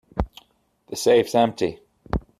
The safe's empty.